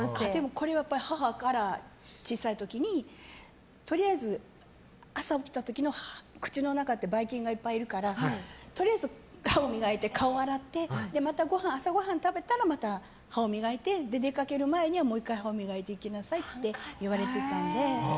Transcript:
これは母から小さい時にとりあえず、朝起きた時の口の中ってばい菌がいっぱいいるからとりあえず歯を磨いて顔を洗ってまた朝ごはん食べたら歯を磨いて出かける前にもう１回歯を磨いていきなさいって言われてたので。